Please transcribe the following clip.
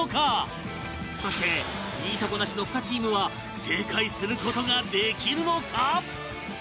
そしていいとこなしの２チームは正解する事ができるのか？